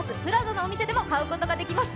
ＰＬＡＺＡのお店でも買うことができます。